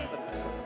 baiklah dengan ini